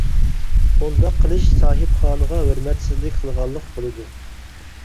ئۇنداق قىلىش ساھىبخانىغا ھۆرمەتسىزلىك قىلغانلىق بولىدۇ.